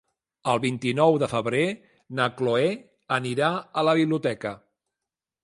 El vint-i-nou de febrer na Chloé anirà a la biblioteca.